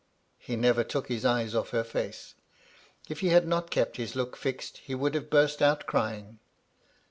He never took his eyes off her face. If he had not kept his look fixed, he would have burst out crying.